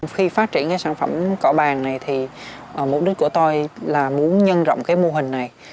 khi phát triển cái sản phẩm cỏ bàng này thì mục đích của tôi là muốn nhân rộng cái mô hình này